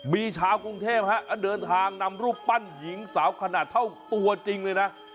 มีชาวกรุงเทพเดินทางนำรูปปั้นหญิงสาวขนาดเท่าตัวจริงเลยนะ